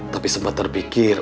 tapi sempat terpikir